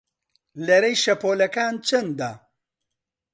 لەرەی شەپۆڵەکان چەندە؟